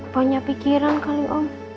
punya pikiran kali om